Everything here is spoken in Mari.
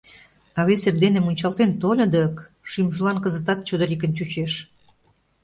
А вес эрдене мунчалтен тольо дык... — шӱмжылан кызытат чодырикын чучеш.